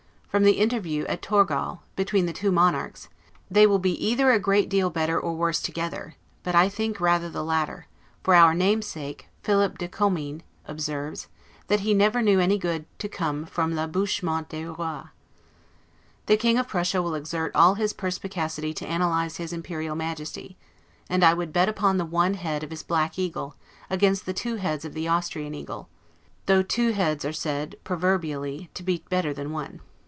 From the interview at Torgaw, between the two monarchs, they will be either a great deal better or worse together; but I think rather the latter; for our namesake, Philip de Co mines, observes, that he never knew any good come from l'abouchement des Rois. The King of Prussia will exert all his perspicacity to analyze his Imperial Majesty; and I would bet upon the one head of his black eagle, against the two heads of the Austrian eagle; though two heads are said, proverbially, to be better than one.